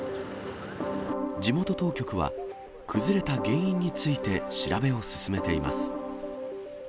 地元当局は、崩れた原因について調べを進めています。